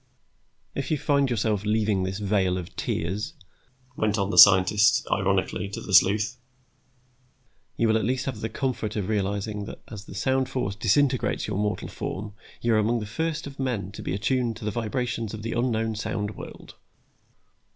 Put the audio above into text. "If you find yourself leaving this vale of tears," went on the scientist, ironically, to the sleuth, "you will at least have the comfort of realizing that as the sound force disintegrates your mortal form you are among the first of men to be attuned to the vibrations of the unknown sound world.